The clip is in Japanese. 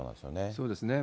そうですね。